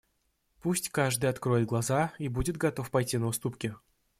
Пусть каждый откроет глаза и будет готов пойти на уступки!